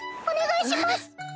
お願いします。